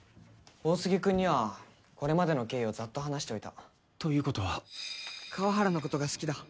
大杉君にはこれまでの経緯をザッと話しておいたということは川原のことが好きだ